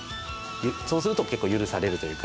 そうすると結構許されるというか。